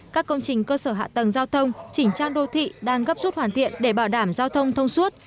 các công trình cơ sở hạ tầng giao thông chỉnh trang đô thị đang gấp rút hoàn thiện để bảo đảm giao thông thông suốt